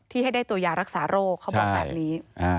ให้ได้ตัวยารักษาโรคเขาบอกแบบนี้